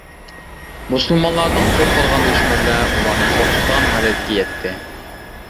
مۇسۇلمانلاردىن قورقىدىغان دۈشمەنلەر ئۇلارنى قورقۇتىدىغان ھالەتكە يەتتى.